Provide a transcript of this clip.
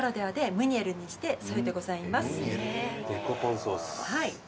はい。